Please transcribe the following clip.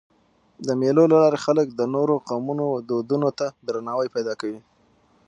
د مېلو له لاري خلک د نورو قومونو دودونو ته درناوی پیدا کوي.